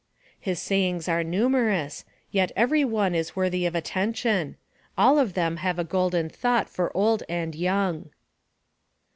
His sayings are numerous, yet every one is worthy of attention; all of them have a golden thought for old and young.